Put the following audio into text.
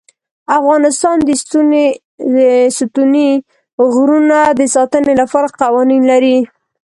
افغانستان د ستوني غرونه د ساتنې لپاره قوانین لري.